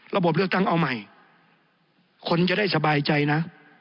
ระบบเลือกตั้งเอาใหม่คนจะได้สบายใจนะ